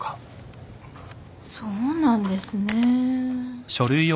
そうなんですね。